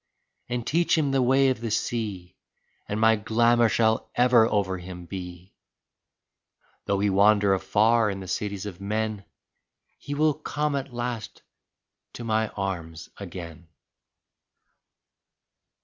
And teach him the way of the sea, And my glamor shall ever over him be; Though he wander afar in the cities of men He will come at last to my arms again.